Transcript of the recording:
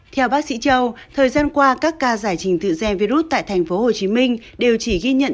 theo bác sĩ châu thời gian qua các ca giải trình tự ge virus tại tp hcm đều chỉ ghi nhận